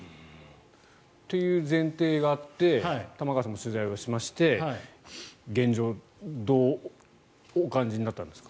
という前提があって玉川さんも取材をしまして現状どうお感じになったんですか？